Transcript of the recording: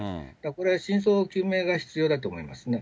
これ、真相の究明が必要だと思いますね。